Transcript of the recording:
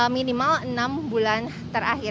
minimal enam bulan terakhir